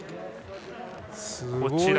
すごい。